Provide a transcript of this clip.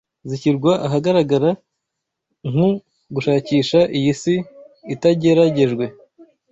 zishyirwa ahagaragara nku gushakisha iyi si itageragejwe